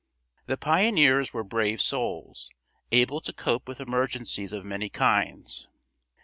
The pioneers were brave souls, able to cope with emergencies of many kinds.